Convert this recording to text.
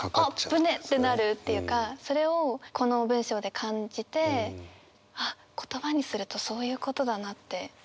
ぶねえってなるっていうかそれをこの文章で感じてあっ言葉にするとそういうことだなって今思いました。